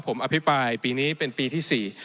ผมอภิปรายปีนี้เป็นปีที่๔